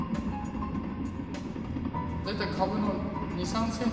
大体株の２３ｃｍ。